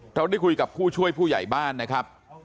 เราได้คุยกับผู้ช่วยผู้ใหญ่บ้านนะครับ